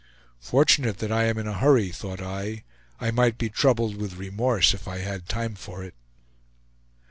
"Fortunate that I am in a hurry," thought I; "I might be troubled with remorse, if I had time for it."